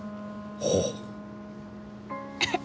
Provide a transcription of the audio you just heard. ほう。